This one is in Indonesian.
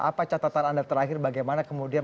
apa catatan anda terakhir bagaimana kemudian